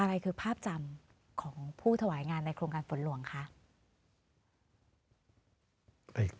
อะไรคือภาพจำของผู้ถวายงานในโครงการฝนหลวงคะ